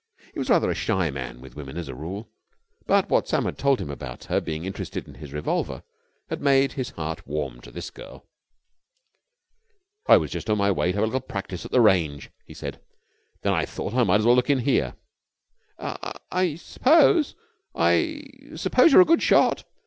He was rather a shy man with women as a rule, but what Sam had told him about her being interested in his revolver had made his heart warm to this girl. "I was just on my way to have a little practice at the range," he said. "Then I thought I might as well look in here." "I suppose I suppose you're a good shot?"